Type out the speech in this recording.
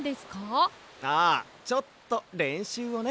ああちょっとれんしゅうをね。